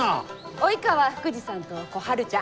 及川福治さんと小春ちゃん。